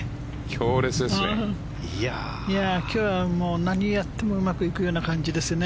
今日は何をやってもうまくいくような感じですね。